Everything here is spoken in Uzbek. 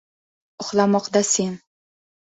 Uxlamoqdasen.